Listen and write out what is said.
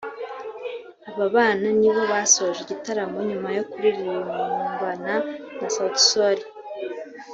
Aba bana nibo basoje igitaramo nyuma yo kuririmbana na Suti sol